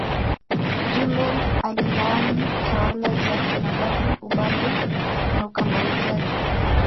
Jumbe alilaani tawala za kimabavu ubabe na ukandamizaji